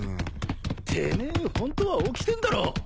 てめえホントは起きてんだろ！